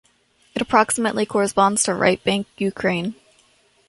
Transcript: It approximately corresponds to Right-bank Ukraine.